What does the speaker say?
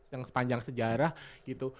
yang sepanjang sejarah gitu